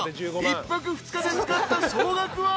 ［１泊２日で使った総額は？］